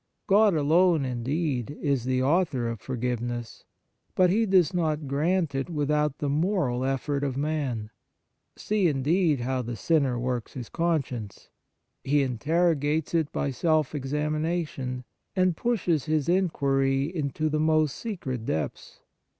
God alone, indeed, is the Author of for giveness ; but He does not grant it without the moral effort of man. 92 The Sacrament of Penance See, indeed, how the sinner works his conscience. He interrogates it by self examination, and pushes his inquiry into the most secret depths.